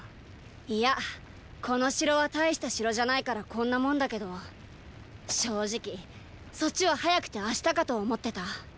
いやこの城は大した城じゃないからこんなもんだけど正直そっちは早くて明日かと思ってた。